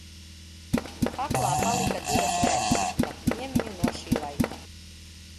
Kaklā palika divas rētas, par piemiņu no šī laika.